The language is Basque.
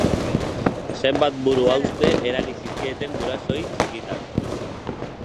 Zenbat buruhauste eragin zizkieten gurasoei txikitan?